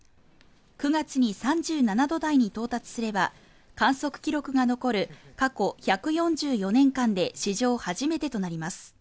９月に３７度台に到達すれば観測記録が残る過去１４４年間で史上初めてとなります